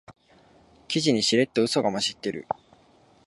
記事にしれっとウソが混じってる